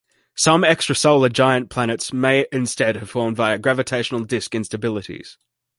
Some extrasolar giant planets may instead have formed via gravitational disk instabilities.